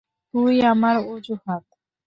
তুই আমার অযুহাত।